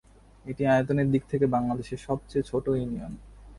এটি আয়তনের দিক থেকে বাংলাদেশের সবচেয়ে ছোট ইউনিয়ন।